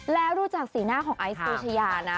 แล้วดูจากสีหน้าของไอซ์ปูชายานะ